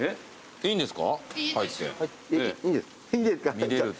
いいですか？